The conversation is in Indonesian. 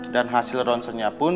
dan hasil ronsennya pun